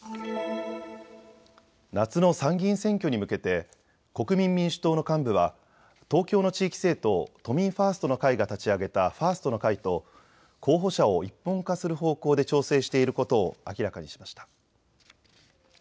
夏の参議院選挙に向けて国民民主党の幹部は東京の地域政党、都民ファーストの会が立ち上げたファーストの会と候補者を一本化する方向で調整していることを明らかにしました。